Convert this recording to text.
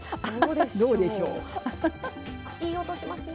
いい音しますね。